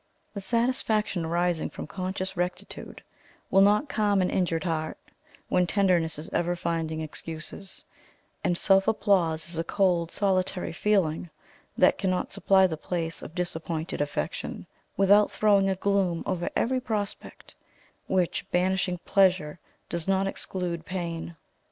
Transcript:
The satisfaction arising from conscious rectitude, will not calm an injured heart, when tenderness is ever finding excuses; and self applause is a cold solitary feeling, that cannot supply the place of disappointed affection, without throwing a gloom over every prospect, which, banishing pleasure, does not exclude pain.